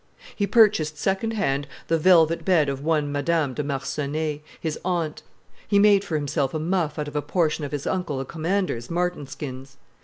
He purchased second hand the velvet bed of one Madame de Marconnay, his aunt; he made for himself a muff out of a portion of his uncle the Commander's martenskins.